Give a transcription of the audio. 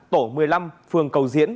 tổ một mươi năm phường cầu diễn